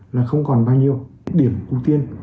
là không còn bao nhiêu điểm ưu tiên